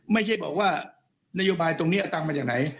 ไม่ใช่บอกว่านโยบายตรงนี้เอาตังค์มาจากไหน